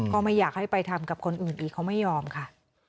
ก็ไม่อยากให้ไปทำกับคนอื่นอีกเขาไม่ยอมค่ะ